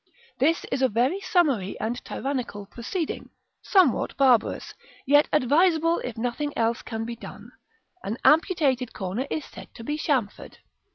This is a very summary and tyrannical proceeding, somewhat barbarous, yet advisable if nothing else can be done: an amputated corner is said to be chamfered.